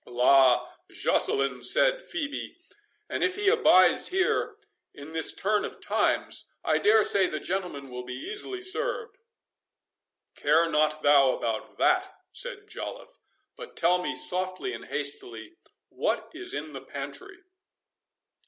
"La! Joceline," said Phœbe, "and if he abides here in this turn of times, I dare say the gentleman will be easily served." "Care not thou about that," said Joliffe; "but tell me softly and hastily, what is in the pantry?"